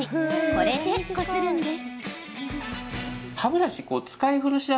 これで、こするんです。